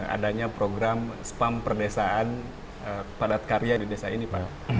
adanya program spam perdesaan padat karya di desa ini pak